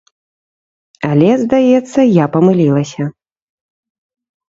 Але, здаецца, я памылілася.